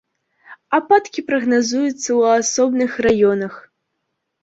Ападкі прагназуюцца ў асобных раёнах.